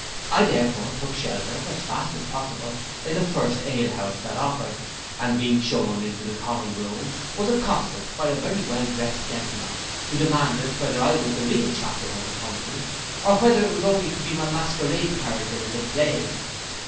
I therefore took shelter, as fast as possible, in the first ale house that offered, and being shewn into the common room, was accosted by a very well drest gentleman, who demanded whether I was the real chaplain of the company, or whether it was only to be my masquerade character in the play.